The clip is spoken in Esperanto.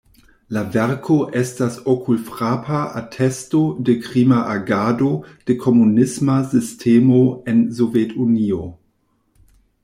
La verko estas okulfrapa atesto de krima agado de komunisma sistemo en Sovetunio.